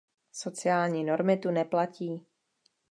Sociální normy tu neplatí.